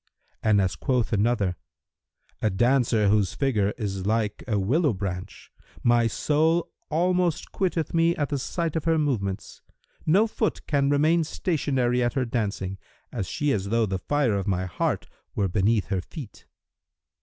And as quoth another,[FN#328] "A dancer whose figure is like a willow branch: my soul almost quitteth me at the sight of her movements. No foot can remain stationary at her dancing, she is as though the fire of my heart were beneath her feet."